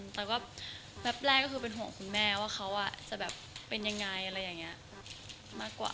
แต่ก็แป๊บแรกก็คือเป็นห่วงคุณแม่ว่าเขาจะแบบเป็นยังไงอะไรอย่างนี้มากกว่า